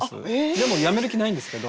でもやめる気ないんですけど。